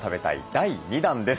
第２弾」です。